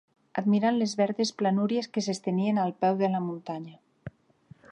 Admirant les verdes planúries que s'estenien al peu de la muntanya